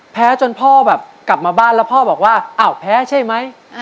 จนพ่อแบบกลับมาบ้านแล้วพ่อบอกว่าอ้าวแพ้ใช่ไหม